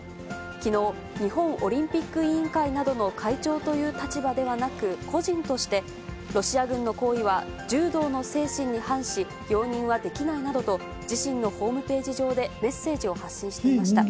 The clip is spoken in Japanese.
きのう、日本オリンピック委員会などの会長という立場ではなく個人として、ロシア軍の行為は柔道の精神に反し、容認はできないなどと、自身のホームページ上でメッセージを発信していました。